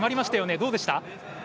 どうでしたか。